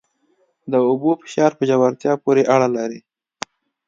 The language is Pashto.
د اوبو فشار په ژورتیا پورې اړه لري.